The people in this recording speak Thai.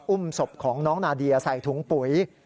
อุ้มศพของน้องนาเดียใส่ถุงปุ๋ย